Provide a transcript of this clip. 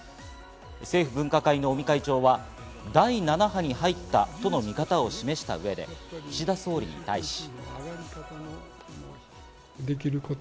政府分科会の尾身会長は、第７波に入ったとの見方を示した上で、岸田総理に対し。